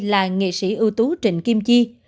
là nghệ sĩ ưu tú trịnh kim chi